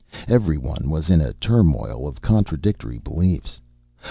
Every one was in a turmoil of contradictory beliefs.